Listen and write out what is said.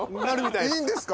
いいんですか？